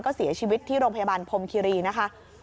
ก็เสียชีวิตที่โรงพยาบาลพรมคิรีนะคะ